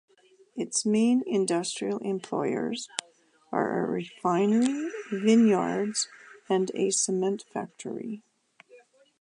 Its main industrial employers are a refinery, vineyards and a cement factory.